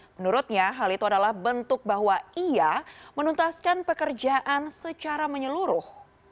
menurutnya hal itu adalah bentuk bahwa ia menuntaskan pekerjaan secara menyeluruh